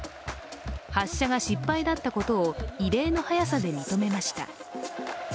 発射が失敗だったことを異例の早さで認めました。